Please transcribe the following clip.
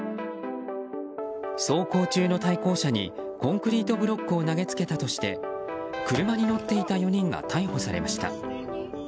走行中の対向車にコンクリートブロックを投げつけたとして車に乗っていた４人が逮捕されました。